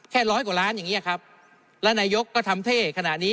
ร้อยกว่าล้านอย่างเงี้ยครับแล้วนายกก็ทำเท่ขนาดนี้